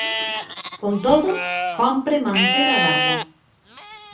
Con todo, cómpre manter a garda.